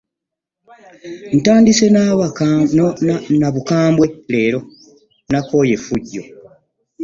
Ntandise na bukambwe leero nakoowa effujjo.